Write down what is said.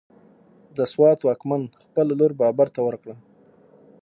د سوات واکمن خپله لور بابر ته ورکړه،